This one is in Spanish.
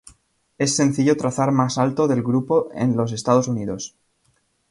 Es sencillo trazar más alto del grupo en los Estados Unidos.